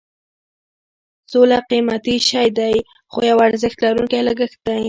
سوله قیمتي شی دی خو یو ارزښت لرونکی لګښت دی.